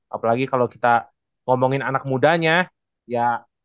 apalagi kalau kita ngomongin anak mudanya ya